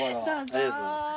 ありがとうございます。